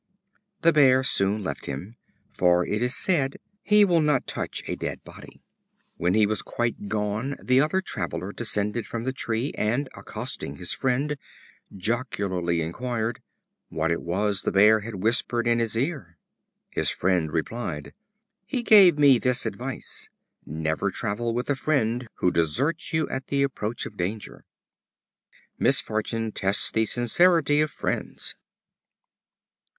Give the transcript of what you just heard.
The Bear soon left him, for it is said he will not touch a dead body. When he was quite gone, the other traveler descended from the tree, and, accosting his friend, jocularly inquired "what it was the Bear had whispered in his ear?" His friend replied: "He gave me this advice: Never travel with a friend who deserts you at the approach of danger." Misfortune tests the sincerity of friends.